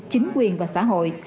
chính quyền và xã hội